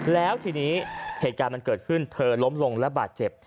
แล้วทีนี้เหตุการณ์มันเกิดขึ้นเธอล้มลงและบาดเจ็บ